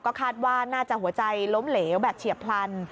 ก็คาดว่าน่าจะหัวใจล้มเหลวแบบเฉียบพลัน